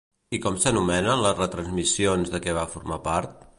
I com s'anomenen les retransmissions de què va formar part?